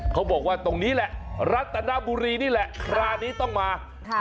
เขาบอกว่าตรงนี้แหละรัตนบุรีนี่แหละคราวนี้ต้องมาค่ะ